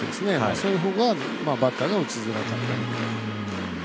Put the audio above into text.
そういう方がバッターが打ちづらかったり。